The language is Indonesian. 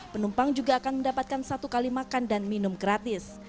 penumpang juga akan mendapatkan satu kali makan dan minum gratis